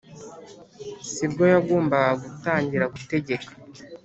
si bwo yagombaga gutangira gutegeka